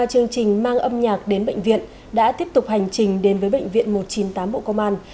chương trình mang âm nhạc đến bệnh viện đã tiếp tục hành trình đến với bệnh viện một trăm chín mươi tám bộ công an